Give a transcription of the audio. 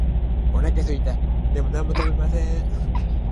お腹すいた。でも何も食べません。